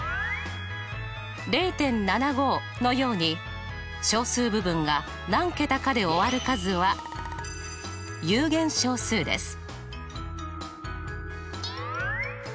０．７５のように小数部分が何桁かで終わる数は有限小数です。